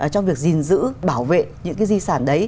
trong việc gìn giữ bảo vệ những cái di sản đấy